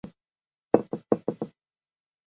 中国农业科学院作物育种栽培研究所研究员。